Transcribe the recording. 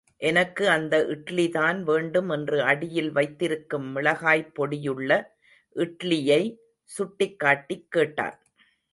எனக்கு அந்த இட்லிதான் வேண்டும் என்று அடியில் வைத்திருக்கும் மிளகாய் பொடியுள்ள இட்லியை சுட்டிக் காட்டிக் கேட்டான்.